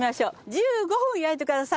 １５分焼いてください。